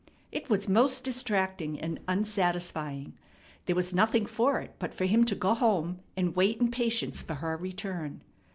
It was most distracting and unsatisfying. There was nothing for it but for him to go home and wait in patience for her return.